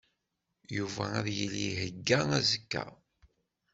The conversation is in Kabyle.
Yuba ad yili ihegga azekka.